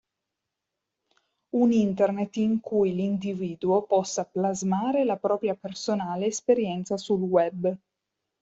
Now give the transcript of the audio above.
Un Internet in cui l'individuo possa plasmare la propria personale esperienza sul Web.